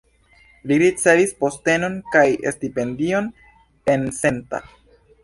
Li ricevis postenon kaj stipendion en Senta.